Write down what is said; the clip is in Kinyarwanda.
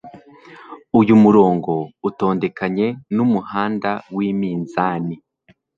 uyu murongo utondekanye n'umuhanda w'iminzani